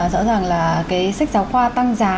rõ ràng là cái sách giáo khoa tăng giá